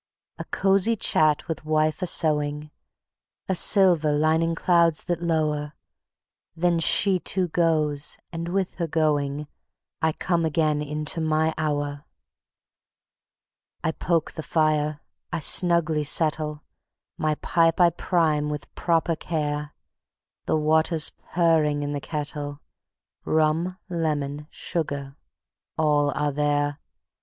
A cozy chat with wife a sewing, A silver lining clouds that low'r, Then she too goes, and with her going, I come again into my Hour. I poke the fire, I snugly settle, My pipe I prime with proper care; The water's purring in the kettle, Rum, lemon, sugar, all are there.